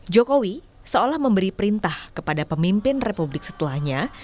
jokowi seolah memberi perintah kepada pemimpin republik setelahnya